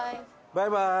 バイバイ！